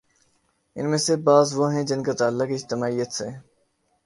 ان میں سے بعض وہ ہیں جن کا تعلق اجتماعیت سے ہے۔